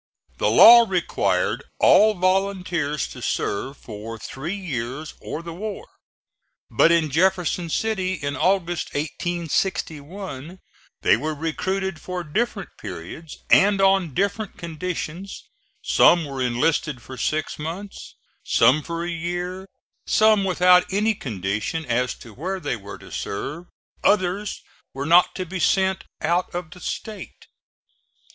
The law required all volunteers to serve for three years or the war. But in Jefferson City in August, 1861, they were recruited for different periods and on different conditions; some were enlisted for six months, some for a year, some without any condition as to where they were to serve, others were not to be sent out of the State.